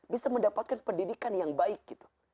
bisa mendapatkan pendidikan yang baik gitu